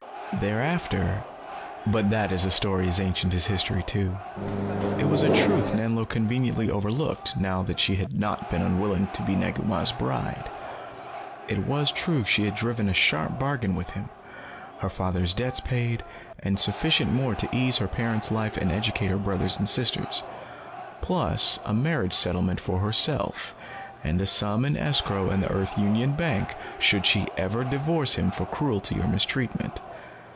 Thereafter But that is a story as ancient as history too. It was a truth Nanlo conveniently overlooked now that she had not been unwilling to be Negu Mah's bride. It was true she had driven a sharp bargain with him her father's debts paid, and sufficient more to ease her parents' life and educate her brothers and sisters. Plus a marriage settlement for herself, and a sum in escrow in the Earth Union bank, should she ever divorce him for cruelty or mistreatment.